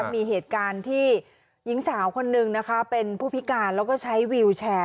มีเหตุการณ์ที่หญิงสาวคนนึงนะคะเป็นผู้พิการแล้วก็ใช้วิวแชร์